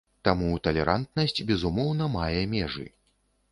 Таму талерантнасць безумоўна мае межы.